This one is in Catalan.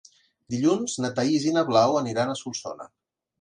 Dilluns na Thaís i na Blau aniran a Solsona.